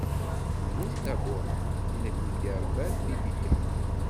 Temmut Dabuṛa, tin akken i d-iṛebban Ribika.